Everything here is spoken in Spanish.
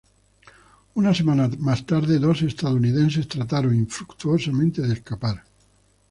Una semana más tarde, dos estadounidenses trataron infructuosamente de escapar.